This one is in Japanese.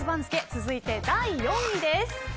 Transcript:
続いて第４位です。